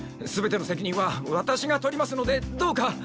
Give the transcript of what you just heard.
全ての責任は私がとりますのでどうか！